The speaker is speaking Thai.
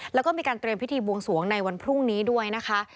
แล้วก็มีการเตรียมพิธีบวงสวงในวันพรุ่งนี้ด้วยนะคะ